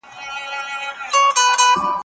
ایا تاسي غواړئ د ستورو په اړه کیسه واورئ؟